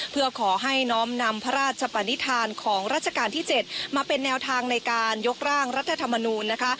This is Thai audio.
เพื่อขอให้น้อมนำพระราชปนิษฐานของราชการที่๗มาเป็นแนวทางในการยกร่างรัฐธรรมนูลนะคะ